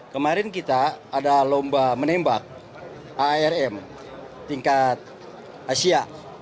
kemarin kita ada lomba menembak arm tingkat asia